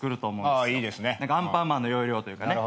アンパンマンの要領というかね。